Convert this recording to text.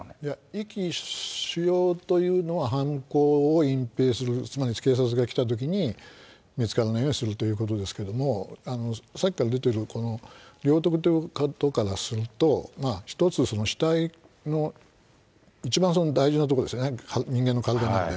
遺棄しようというのは犯行を隠蔽する、つまり警察が来たときに見つからないようにするということですけれども、さっきから出てる、この領得というところからすると、一つ、その死体の一番その大事なところですね、人間の体の中で。